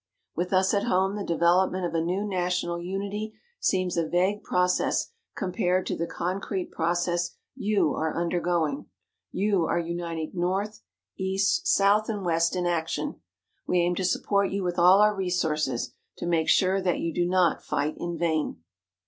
"With us at home the development of a new national unity seems a vague process compared to the concrete process you are undergoing. You are uniting North, East, South, and West in action. We aim to support you with all our resources, to make sure that you do not fight in vain."